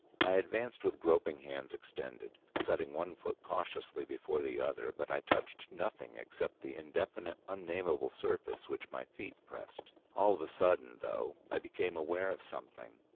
I advanced with groping hands extended, setting one foot cautiously before the other, but I touched nothing except the indefinite, unnameable surface which my feet pressed. All of a sudden, though, I became aware of something.